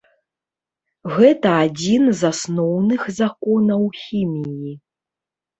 Гэта адзін з асноўных законаў хіміі.